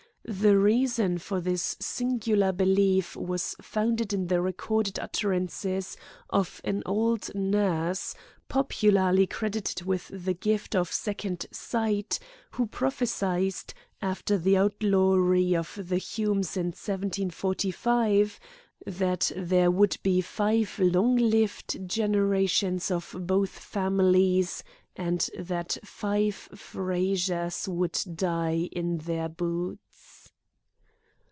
The reason for this singular belief was found in the recorded utterances of an old nurse, popularly credited with the gift of second sight, who prophesied, after the outlawry of the Humes in 1745, that there would be five long lived generations of both families, and that five Frazers would die in their boots.